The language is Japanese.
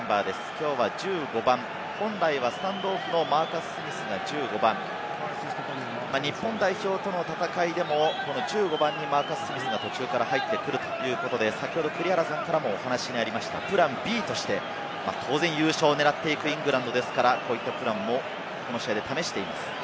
きょうは１５番、本来はスタンドオフのマーカス・スミスが１５番、日本代表との戦いでも、この１５番にマーカス・スミスが途中から入ってくるということで、先ほど栗原さんからもお話がありましたプランＢとして当然、優勝を狙っていくイングランドですから、こういったプランもこの試合で試しています。